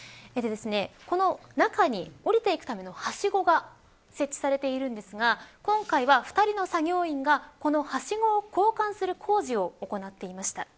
この中に降りていくためのはしごが設置されているんですが今回は２人の作業員がこのはしごを交換する工事を行っていました。